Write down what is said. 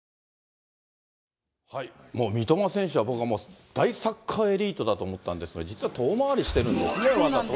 三笘選手は、僕は大サッカーエリートだと思ったんですが、実は遠回りしてるんですね、わざとね。